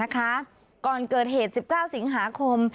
ก่อนเกิดเหตุ๑๙สิงหาคม